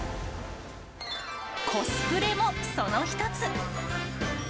コスプレもその一つ。